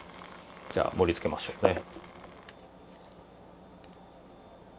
じゃあ盛り付けましょうね。